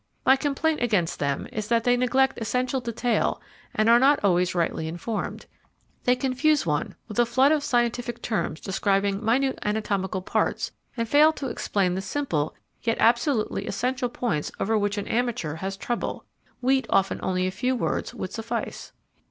My complaint against them is that they neglect essential detail and are not always rightly informed. They confuse one with a flood of scientific terms describing minute anatomical parts and fail to explain the simple yet absolutely essential points over which an amateur has trouble, wheat often only a few words would suffice.